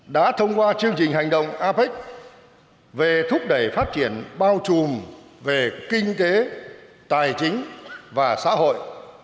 đã thông qua chương trình hành động apec về thúc đẩy phát triển bao trùm về kinh tế tài chính và xã hội